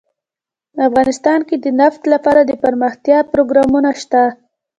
افغانستان کې د نفت لپاره دپرمختیا پروګرامونه شته.